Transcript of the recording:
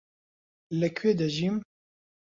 لەکوێ دەژیم؟